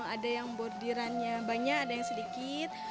ada yang bordirannya banyak ada yang sedikit